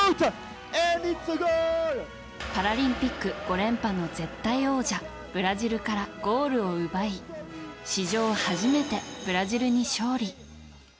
パラリンピック５連覇の絶対王者ブラジルからゴールを奪い史上初めてブラジルに勝利。